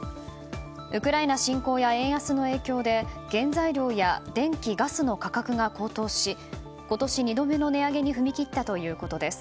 ウクライナ侵攻や円安の影響で原材料や電気・ガスの価格が高騰し今年２度目の値上げに踏み切ったということです。